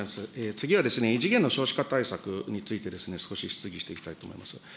次は異次元の少子化対策について、少し質疑していきたいと思います。